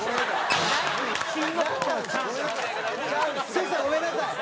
瀬下ごめんなさい。